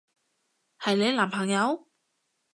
係你男朋友？